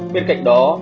bên cạnh đó